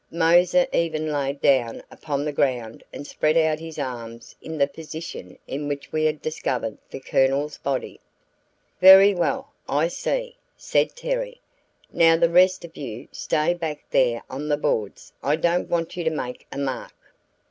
Moser even laid down upon the ground and spread out his arms in the position in which we had discovered the Colonel's body. "Very well, I see," said Terry. "Now the rest of you stay back there on the boards; I don't want you to make a mark."